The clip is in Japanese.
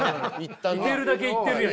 いけるだけいってるやん！